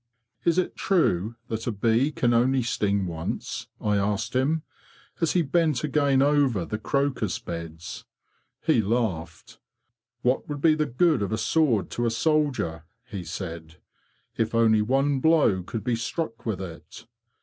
""Ts it true that a bee can only sting once?" I asked him, as he bent again over the crocus beds. He laughed. 'What would be the good of a sword to a soldier,'? he said, ''if only one blow could be struck with it?